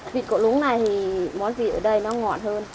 vịt cổ lúng này thì món gì ở đây nó ngọt hơn